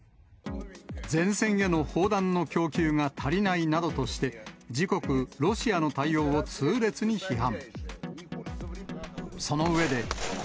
前線への砲弾の供給が足りないなどとして、自国、ロシアの対応を痛烈に批判。